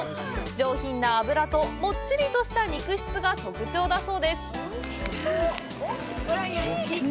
上品な脂と、もっちりとした肉質が特徴だそうです。